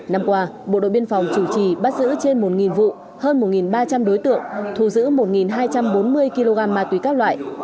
năm qua bộ đội biên phòng chủ trì bắt giữ trên một vụ hơn một ba trăm linh đối tượng thu giữ một hai trăm bốn mươi kg ma túy các loại